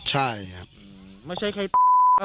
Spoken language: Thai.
ใช่ครับ